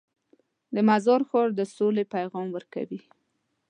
د مزار ښار د سولې پیغام ورکوي.